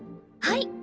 はい。